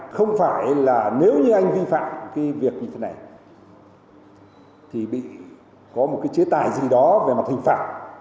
không phải là nếu như anh vi phạm cái việc như thế này thì bị có một cái chế tài gì đó về mặt hình phạm